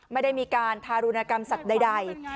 ไม่ได้มีการทารุณกรรมสัตว์ใด